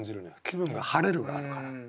「気分が晴れる」があるから。